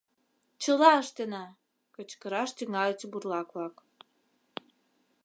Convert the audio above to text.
Чыла ыштена! — кычкыраш тӱҥальыч бурлак-влак.